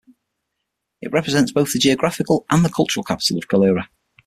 It represents both the geographical and the cultural capital of Gallura.